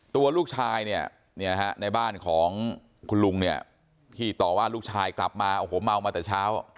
ตัวลูกชายในบ้านของคุณลุงที่ต่อว่าลูกชายกลับมาเมามาแต่เช้า